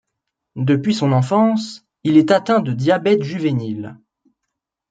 Depuis son enfance, il est atteint de diabète juvénile.